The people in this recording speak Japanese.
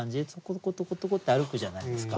トコトコトコって歩くじゃないですか。